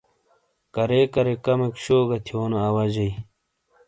کرےکرے کمیک شُو گہ تھیونو اواجئی۔